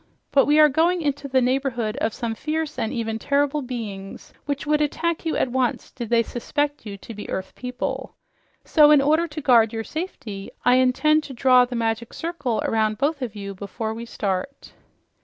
But we are going into the neighborhood of such fierce and even terrible beings which would attack you at once did they suspect you to be earth people. So in order to guard your safety, I intend to draw the Magic Circle around both of you before we start."